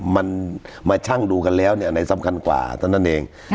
มันมาชั่งดูกันแล้วเนี่ยอันไหนสำคัญกว่าเท่านั้นเอง